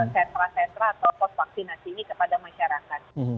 sentra sentra atau pos vaksinasi ini kepada masyarakat